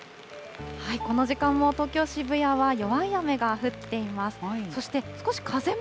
この時間も東京・渋谷は弱い雨が降っています。